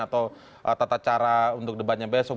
atau tata cara untuk debatnya besok